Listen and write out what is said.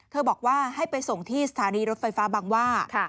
บอกว่าให้ไปส่งที่สถานีรถไฟฟ้าบางว่า